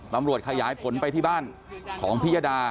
รำรวจขยายผลไปที่บ้านของพิยาดา